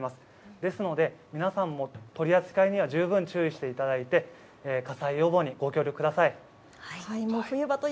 ですので皆さんも取り扱いには十分注意していただいて火災予防にご協力ください。